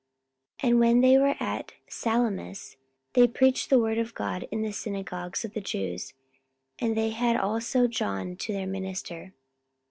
44:013:005 And when they were at Salamis, they preached the word of God in the synagogues of the Jews: and they had also John to their minister.